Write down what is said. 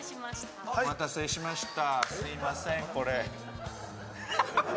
お待たせしました。